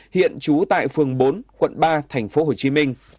hiện trú tại phường bốn quận ba tp hcm